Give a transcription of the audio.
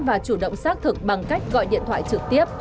và chủ động xác thực bằng cách gọi điện thoại trực tiếp